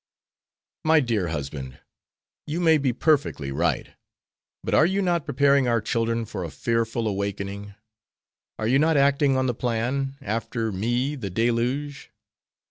"My dear husband, you may be perfectly right, but are you not preparing our children for a fearful awakening? Are you not acting on the plan, 'After me the deluge?'"